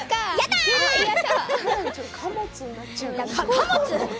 貨物？